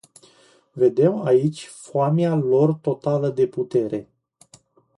Vedem aici foamea lor totală de putere.